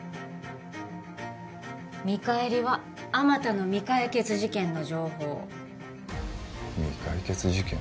見返りはあまたの未解決事件の情報未解決事件？